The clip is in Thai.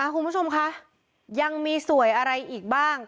คุณผู้ชมคะยังมีสวยอะไรอีกบ้าง